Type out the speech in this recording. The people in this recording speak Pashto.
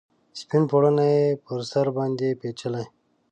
سپین پوړنې یې پر سر باندې پیچلي